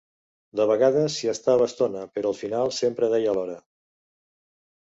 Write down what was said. De vegades s'hi estava estona, però al final sempre deia l'hora.